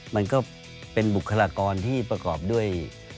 มันก็เป็นบุคลากรที่ประกอบด้วย